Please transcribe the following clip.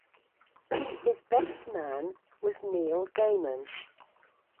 His best man was Neil Gaiman.